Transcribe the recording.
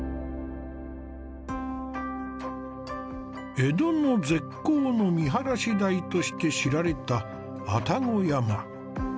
江戸の絶好の見晴らし台として知られた愛宕山。